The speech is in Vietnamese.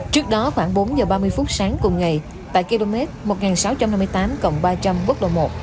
trước đó khoảng bốn h ba mươi phút sáng cùng ngày tại km một nghìn sáu trăm năm mươi tám ba trăm linh quốc độ một